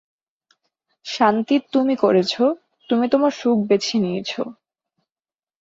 শান্তি, তুমি করেছ, তুমি তোমার সুখ বেছে নিয়েছো।